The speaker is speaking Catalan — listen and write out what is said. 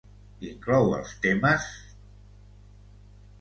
Inclou els temes: